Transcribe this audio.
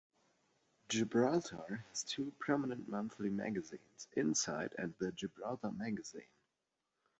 Gibraltar has two prominent monthly magazines; "Insight" and the "Gibraltar Magazine".